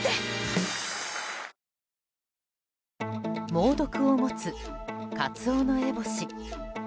猛毒を持つカツオノエボシ。